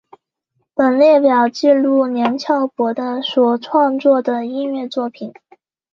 本列表记录梁翘柏的所创作的音乐作品